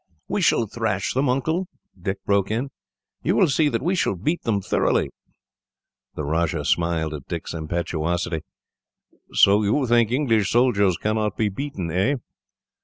"We shall thrash them, Uncle," Dick broke in. "You will see that we shall beat them thoroughly." The Rajah smiled at Dick's impetuosity. "So you think English soldiers cannot be beaten, eh?"